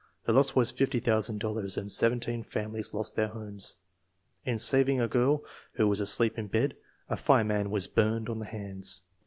The loss was fifty thousand dollars, and seventeen families lost their homes. In sav ing a girl, who was asleep in bed, a fireman was burned on the hands.